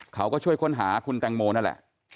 เขาก็ช่วยค้นหาคุณแตงโมนั่นแหละ